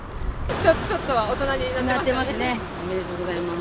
ちょっとは大人になってますね。